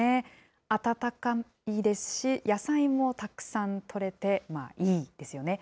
温かいですし、野菜もたくさんとれて、いいですよね。